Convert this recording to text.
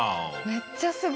めっちゃすごい。